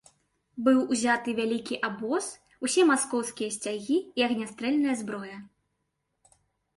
Быў узяты вялікі абоз, усе маскоўскія сцягі і агнястрэльная зброя.